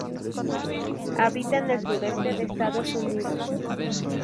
Habita en el sureste de Estados Unidos.